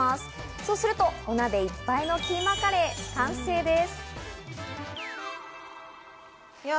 そうするとお鍋いっぱいのキーマカレー、完成です。